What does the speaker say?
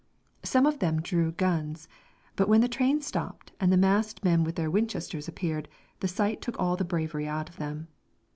Some of them drew guns, but when the train stopped and the masked men with their Winchesters appeared, the sight took all the bravery out of them.